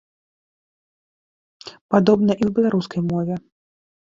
Падобна і ў беларускай мове.